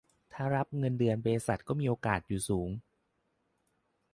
ถ้ารับเงินเดือนบริษัทก็มีโอกาสอยู่สูง